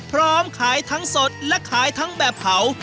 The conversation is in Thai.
พร้อมขายทั้งสดและขายทั้งแบบเผา